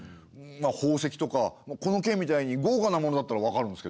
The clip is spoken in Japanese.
宝石とかこの剣みたいにごうかなものだったらわかるんですけど。